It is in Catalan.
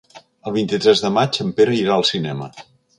El vint-i-tres de maig en Pere irà al cinema.